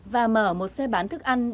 và mở một xe bán thức ăn